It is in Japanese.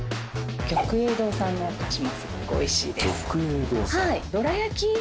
玉英堂さんのお菓子もすごくおいしいです。